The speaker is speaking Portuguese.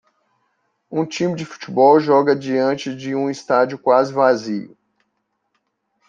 Um time de futebol joga diante de um estádio quase vazio.